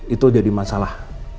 itu jadi masalah